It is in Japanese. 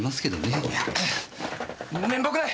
いや面目ない！